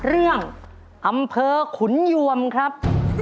เรื่องอำเภอขุนยวมครับ